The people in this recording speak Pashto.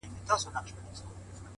سردونو ویښ نه کړای سو؛